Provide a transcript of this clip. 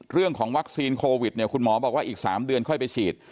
เรื่องของวัคซีนโควิดเนี่ยคุณหมอบอกว่าอีก๓เดือนค่อยไปฉีด